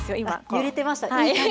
揺れてましたね。